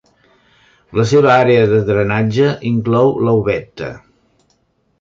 La seva àrea de drenatge inclou l'Aubette.